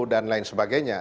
dan lain sebagainya